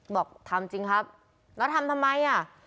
บอกทำจริงครับแล้วทำทำไมอ่ะ